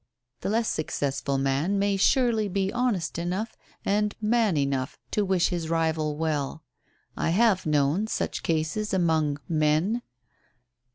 The less successful man may surely be honest enough, and man enough, to wish his rival well. I have known such cases among men."